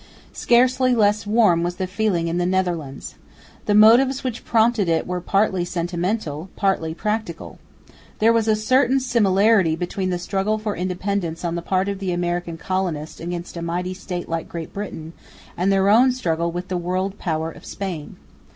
Scarcely less warm was the feeling in the Netherlands. The motives which prompted it were partly sentimental, partly practical. There was a certain similarity between the struggle for independence on the part of the American colonists against a mighty state like Great Britain, and their own struggle with the world power of Spain.